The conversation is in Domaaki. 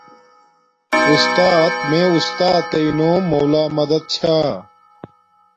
اُستات میے اُستاتݵ نوم مولا مدد چھا